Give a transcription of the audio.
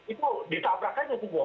itu ditabrak aja semua